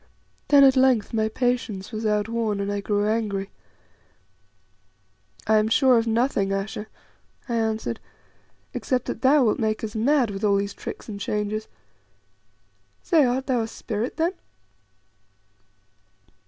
Then at length my patience was outworn, and I grew angry. "I am sure of nothing, Ayesha," I answered, "except that thou wilt make us mad with all these tricks and changes. Say, art thou a spirit then?"